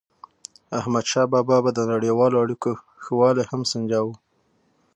احمدشاه بابا به د نړیوالو اړیکو ښه والی هم سنجاوو.